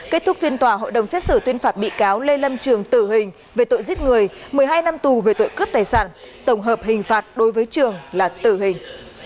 kết thúc phiên tòa hội đồng xét xử tuyên phạt bị cáo lê lâm trường tử hình về tội giết người một mươi hai năm tù về tội cướp tài sản tổng hợp hình phạt đối với trường là tử hình